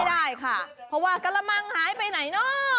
ได้ค่ะเพราะว่ากระมังหายไปไหนเนอะ